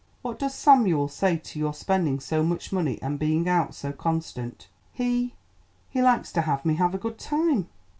What does Samuel say to your spending so much money and being out so constant?" "He he likes to have me have a good time."